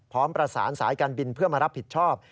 พร้อมประสานสายการบินเพื่อมารับผิดชอบ